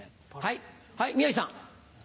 はい宮治さん。